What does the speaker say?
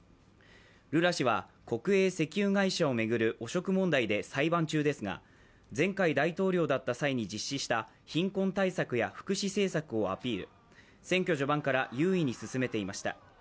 ルラ氏は国営石油会社を巡る汚職問題で裁判中ですが、前回、大統領だった際に実施した貧困対策や福祉政策をアピール、選挙序盤から優位に進めていました。